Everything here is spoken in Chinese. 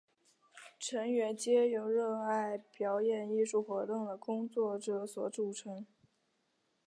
成员皆由热爱表演艺术活动的工作者所组成。